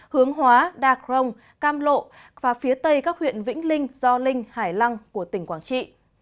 hướng hóa đa crong cam lộ và phía tây các huyện vĩnh linh do linh hải lăng của tỉnh quảng trị